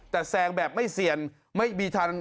แต่แซงแบบไม่เสี่ยงไม่มีทาง